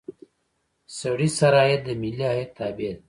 سړي سر عاید د ملي عاید تابع ده.